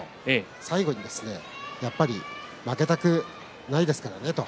最後にやっぱり負けたくないですからね